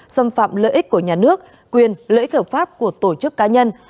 xâm phạm lợi ích của nhà nước quyền lợi ích hợp pháp của tổ chức cá nhân